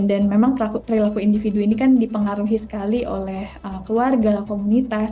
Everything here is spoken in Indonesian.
dan memang perilaku individu ini kan dipengaruhi sekali oleh keluarga komunitas